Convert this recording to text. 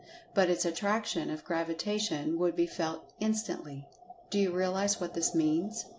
But its Attraction of Gravitation would be felt instantly. Do you realize what this means?